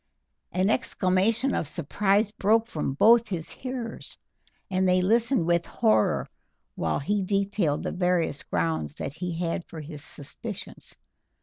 An exclamation of surprise broke from both his hearers, and they listened with horror while he detailed the various grounds that he had for his suspicions.